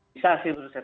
bisa sih menurut saya